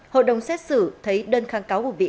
hội đồng xét xử thấy đơn kháng cáo của bị